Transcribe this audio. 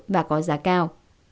và có giá cao